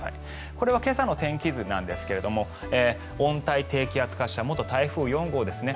これは今朝の天気図なんですが温帯低気圧化した元台風４号ですね